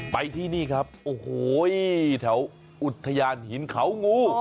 ไปที่นี่ครับโอ้โหแถวอุทยานหินเขางู